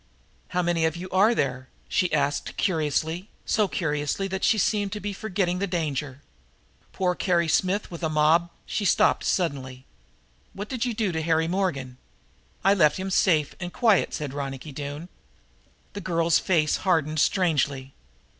"How many of you are there?" she asked curiously, so curiously that she seemed to be forgetting the danger. "Poor Carry Smith with a mob " She stopped suddenly again. "What did you do to Harry Morgan?" "I left him safe and quiet," said Ronicky Doone. The girl's face hardened strangely.